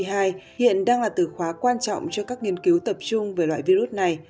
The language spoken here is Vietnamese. hiện đang là từ khóa quan trọng cho các nghiên cứu tập trung về loại virus này